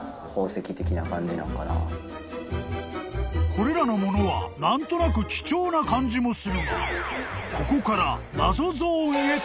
［これらのものは何となく貴重な感じもするがここから］